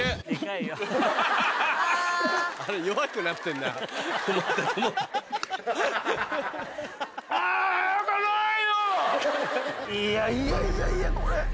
いやいやいやいや。